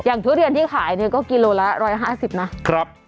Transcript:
ทุเรียนที่ขายเนี่ยก็กิโลละ๑๕๐นะครับ